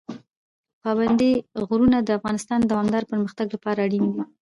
پابندی غرونه د افغانستان د دوامداره پرمختګ لپاره اړین دي.